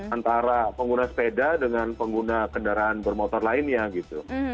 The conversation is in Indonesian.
antara pengguna sepeda dengan pengguna kendaraan bermotor lainnya gitu